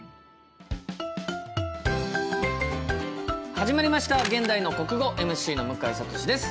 始まりました「現代の国語」ＭＣの向井慧です。